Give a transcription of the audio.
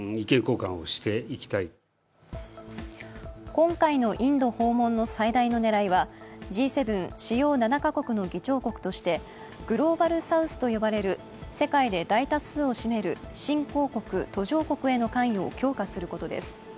今回のインド訪問の最大の狙いはＧ７＝主要７か国の議長国として、グローバルサウスと呼ばれる世界で大多数を占める新興国、途上国への関与を強化することです。